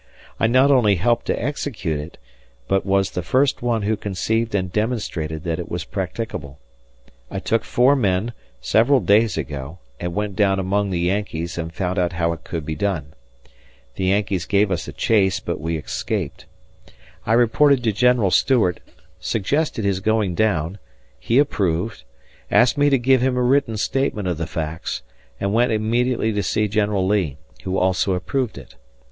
I not only helped to execute it, but was the first one who conceived and demonstrated that it was practicable. I took four men, several days ago, and went down among the Yankees and found out how it could be done. The Yankees gave us a chase, but we escaped. I reported to General Stuart, suggested his going down, he approved, asked me to give him a written statement of the facts, and went immediately to see General Lee, who also approved it.